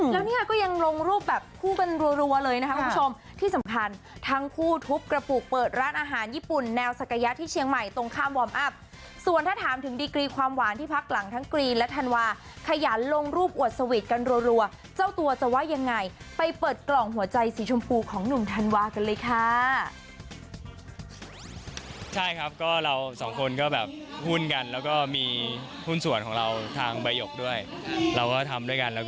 แล้วเนี่ยก็ยังลงรูปแบบคู่กันรัวเลยนะคะคุณผู้ชมที่สำคัญทั้งคู่ทุบกระปุกเปิดร้านอาหารญี่ปุ่นแนวศักยะที่เชียงใหม่ตรงข้ามวอร์มอัพส่วนถ้าถามถึงดีกรีความหวานที่พักหลังทั้งกรีนและธันวาขยันลงรูปอวดสวีทกันรัวเจ้าตัวจะว่ายังไงไปเปิดกล่องหัวใจสีชมพูของหนุ่มธันวากันเลยค่ะ